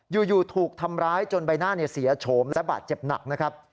อยู่ถูกทำร้ายจนใบหน้าเสียโฉมและบาดเจ็บหนักนะครับ